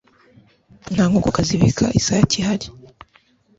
nta nkokokazi ibika isake ihari